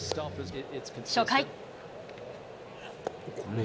初回。